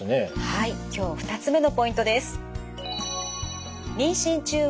今日２つ目のポイントです。